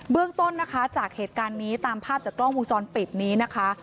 เรื่องต้นนะคะจากเหตุการณ์นี้ตามภาพจากกล้องวงจรปิดนี้นะคะ